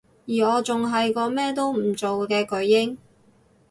而我仲係個乜都唔做嘅巨嬰